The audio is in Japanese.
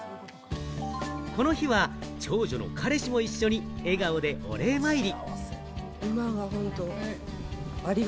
この日は長女の彼氏も一緒に、笑顔でお礼参り。